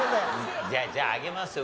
じゃあじゃああげますよ。